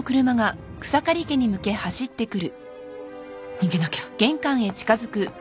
逃げなきゃ。